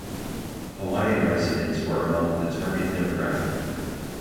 Hawaiian residents were among the target demographic.